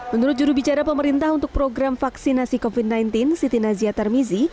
menurut jurubicara pemerintah untuk program vaksinasi covid sembilan belas siti nazia tarmizi